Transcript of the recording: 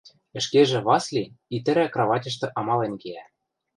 Ӹшкежӹ Васли итӹрӓ краватьышты амален киӓ.